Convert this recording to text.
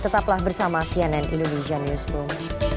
tetaplah bersama cnn indonesia newsroom